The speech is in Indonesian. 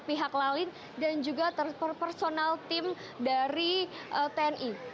pihak lalin dan juga personal tim dari tni